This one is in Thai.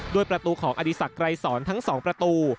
ด้วยประตูของอดีศักดิ์ไกรศรทั้ง๒ประตู